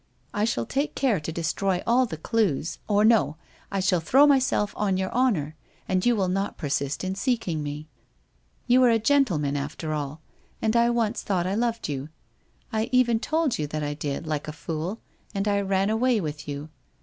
I shall take care to destroy all the clues, or no, I shall throw myself on your honour and you will not persist in seeking me. You are a gentleman, after all, and I once thought I loved you. I even told you that I did, like a fool, and I ran away with you.